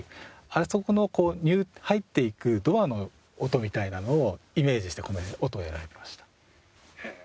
あそこの入っていくドアの音みたいなのをイメージしてこの音を選びました。